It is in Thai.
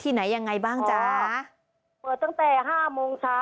สามสิบบอโอเคไหม